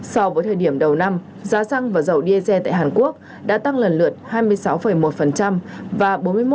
so với thời điểm đầu năm giá xăng và dầu diesel tại hàn quốc đã tăng lần lượt hai mươi sáu một và bốn mươi một